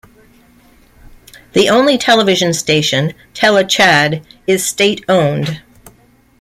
The only television station, Tele Tchad, is state-owned.